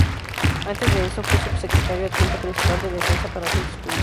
Antes de eso, fue Subsecretario Adjunto Principal de Defensa para Asuntos Públicos.